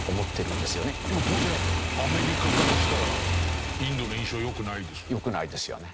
でも当然アメリカからしたらインドの印象良くないですよね？